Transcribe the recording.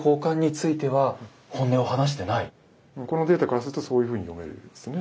このデータからするとそういうふうに読めるんですね。